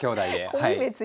はい。